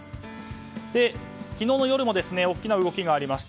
昨日の夜も大きな動きがありました。